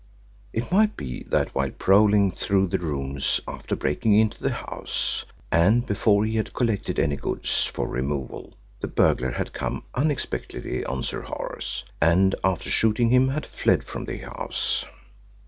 It might be that while prowling through the rooms after breaking into the house, and before he had collected any goods for removal, the burglar had come unexpectedly on Sir Horace, and after shooting him had fled from the house.